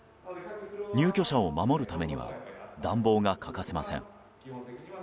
入居者を守るためには暖房が欠かせません。